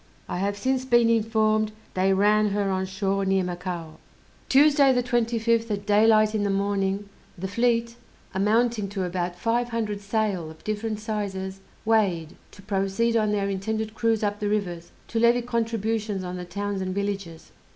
I have since been informed they ran her on shore near Macao. Tuesday, the 25th, at daylight in the morning, the fleet, amounting to about five hundred sail of different sizes, weighed, to proceed on their intended cruise up the rivers, to levy contributions on the towns and villages.